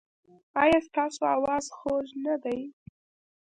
ایا ستاسو اواز خوږ نه دی؟